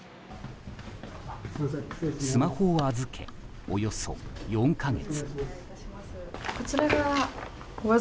スマホを預け、およそ４か月。